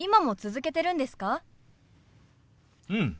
うん。